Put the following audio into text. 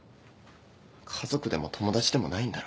家族でも友達でもないんだろ。